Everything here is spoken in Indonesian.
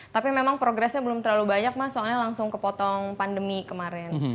tapi memang progresnya belum terlalu banyak mas soalnya langsung kepotong pandemi kemarin